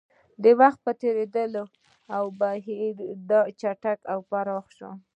د وخت په تېرېدو دا بهیر چټک او پراخ شوی.